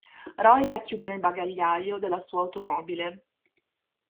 Roy la chiude nel bagagliaio della sua automobile...